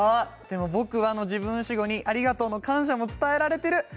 僕はの自分主語にありがとうの感謝も伝えられている。